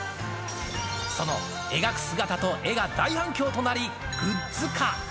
その描く姿と絵が大反響となり、グッズ化。